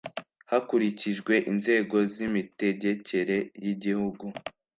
Hakurikijwe inzego z imitegekere y Igihugu